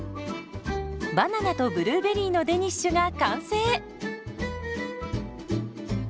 バナナとブルーベリーのデニッシュが完成。